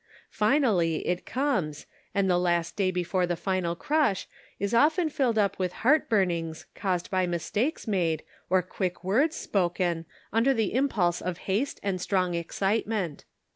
Finally it comes, and the last day before the final crush, is often filled up with heart burnings caused by mistakes made, or quick words spoken, under the impulse of haste and strong excite ment.